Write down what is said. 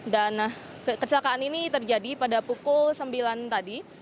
dan kecelakaan ini terjadi pada pukul sembilan tadi